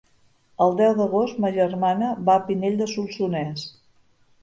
El deu d'agost ma germana va a Pinell de Solsonès.